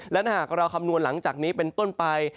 และถ้าหากเราคำนวณหลังจากนี้เป็นต้นไป